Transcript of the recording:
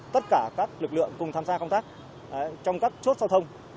tất cả các lực lượng cùng tham gia công tác trong các chốt giao thông